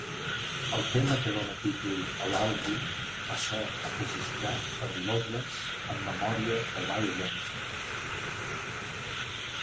El tema que dona títol a l'àlbum va ser enregistrat per Loveless en memòria de Waylon Jennings.